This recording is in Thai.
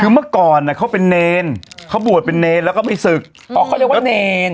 คือเมื่อก่อนอ่ะเขาเป็นเนรเขาบวชเป็นเนรแล้วก็ไม่ศึกอ๋อเขาเรียกว่าเนร